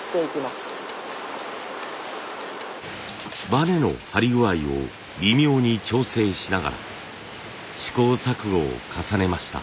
バネの張り具合を微妙に調整しながら試行錯誤を重ねました。